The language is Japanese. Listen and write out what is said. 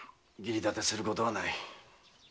義理だてすることはない。